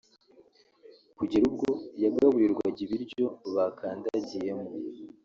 kugera ubwo yagaburirwaga ibiryo bakandagiyemo